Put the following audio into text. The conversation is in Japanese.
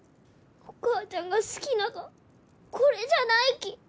お母ちゃんが好きながはこれじゃないき。